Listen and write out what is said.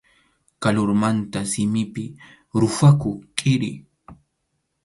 Kalurmanta simipi ruphakuq kʼiri.